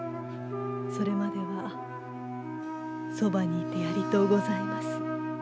それまではそばにいてやりとうございます。